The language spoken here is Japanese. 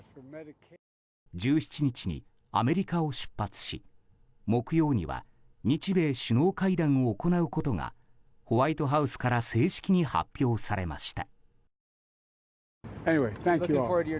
１７日にアメリカを出発し木曜には日米首脳会談を行うことがホワイトハウスから正式に発表されました。